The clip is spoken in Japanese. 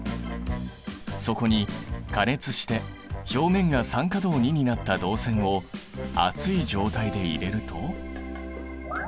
そこに加熱して表面が酸化銅になった銅線を熱い状態で入れると。